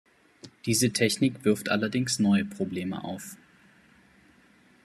Diese Technik wirft allerdings neue Probleme auf.